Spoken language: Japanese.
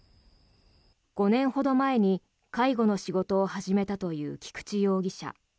５年ほど前に介護の仕事を始めたという菊池容疑者。